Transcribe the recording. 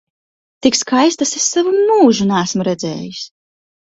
Tik skaistas es savu mūžu neesmu redzējis!